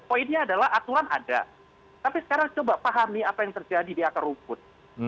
poinnya adalah aturan ada tapi sekarang coba pahami apa yang terjadi di akar rumput